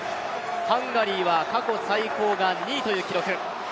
ハンガリーは過去最高が２位という記録。